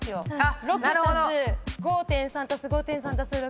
６＋５．３＋５．３＋６。